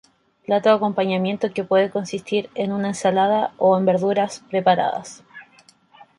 Plato de acompañamiento que puede consistir en una ensalada o en verduras preparadas.